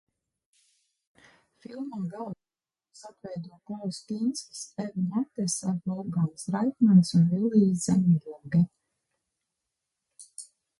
Filmā galvenās lomas atveido Klauss Kinskis, Eva Matesa, Volfgangs Raihmans un Villijs Zemmerloge.